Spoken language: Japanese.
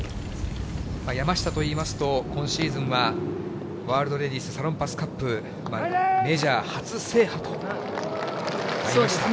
山下といいますと、今シーズンは、ワールドレディスサロンパスカップ、メジャー初制覇となりました。